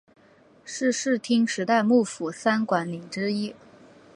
是室町时代幕府三管领之一。